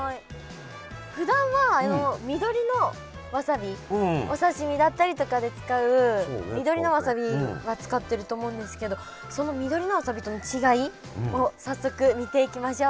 ふだんはあの緑のわさびお刺身だったりとかで使う緑のわさびは使ってると思うんですけどその緑のわさびとの違いを早速見ていきましょう。